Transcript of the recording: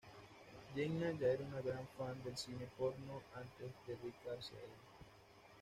Jenna ya era una gran fan del cine porno antes de dedicarse a ello.